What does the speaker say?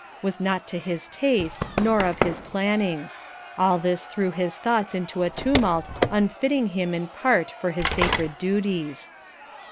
was not to his taste nor of his planning; all this threw his thoughts into a tumult unfitting him in part for his sacred duties.